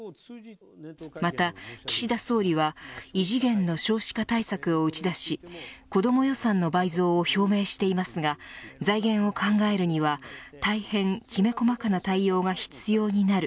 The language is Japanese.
また岸田総理は異次元の少子化対策を打ち出し子ども予算の倍増を表明していますが財源を考えるには大変きめ細かな対応が必要になる。